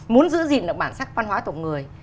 muốn giữ gìn được bản sắc văn hóa tộc người